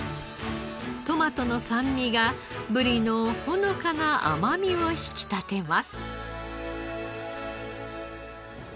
トマトの酸味がブリのほのかな甘みを引き立てます。